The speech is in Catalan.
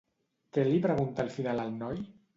Què li pregunta al final el noi?